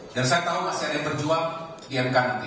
dan saya tahu masih ada yang berjuang di mk nanti